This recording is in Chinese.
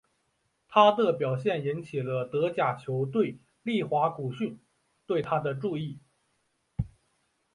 他的表现引起了德甲球队利华古逊对他的注意。